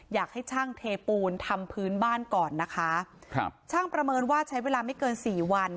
อยากให้ช่างเทปูนทำพื้นบ้านก่อนนะคะครับช่างประเมินว่าใช้เวลาไม่เกินสี่วัน